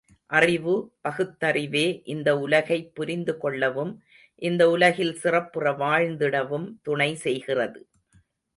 அறிவு பகுத்தறிவே இந்த உலகைப்புரிந்து கொள்ளவும் இந்த உலகில் சிறப்புற வாழ்ந்திடவும் துணை செய்கிறது.